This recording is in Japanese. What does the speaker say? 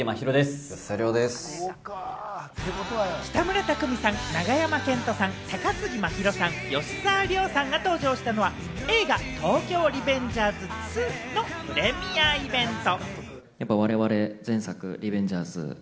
北村匠海さん、永山絢斗さん、高杉真宙さん、吉沢亮さんが登場したのは映画『東京リベンジャーズ２』のプレミアイベント。